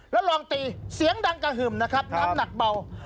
แล้วลองตีเสียงดังกระหึ่มนะครับน้ำหนักเบา